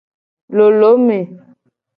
Lolome.